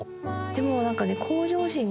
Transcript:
でも何かね。